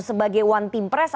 sebagai one team press